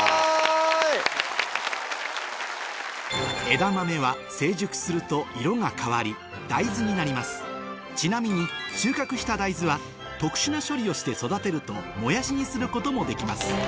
えだ豆は成熟すると色が変わり大豆になりますちなみに収穫した大豆は特殊な処理をして育てるともやしにすることもできます